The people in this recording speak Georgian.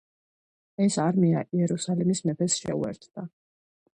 ეს არმია იერუსალიმის მეფეს შეუერთდა.